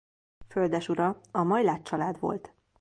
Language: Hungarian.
Földesura a Majláth-család volt.